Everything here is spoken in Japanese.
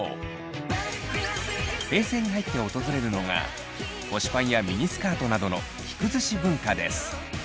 平成に入って訪れるのが腰パンやミニスカートなどの着崩し文化です。